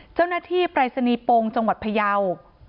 เจ้าหน้าที่ปรายศนีย์ปงจังหวัดพยาว